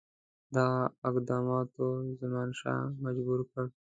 دغه اقداماتو زمانشاه مجبور کړ.